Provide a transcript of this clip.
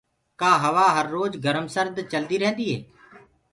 ڪآ هوآ هر روج گرم سرد چلدي ريهنٚدي هي